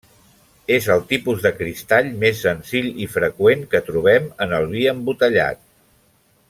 És el tipus de cristall més senzill i freqüent que trobem en el vi embotellat.